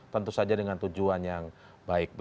tentu saja dengan tujuan yang baik